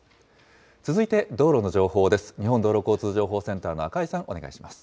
続いて道路の情報です。